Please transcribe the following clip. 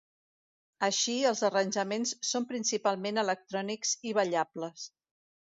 Així, els arranjaments són principalment electrònics i ballables.